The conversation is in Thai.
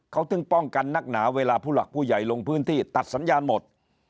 เขาถึงป้องกันนักหนาเวลาผู้หลักผู้ใหญ่ลงพื้นที่ตัดสัญญาณหมด